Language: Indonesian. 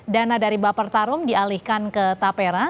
dana dari bapertarung dialihkan ke tapera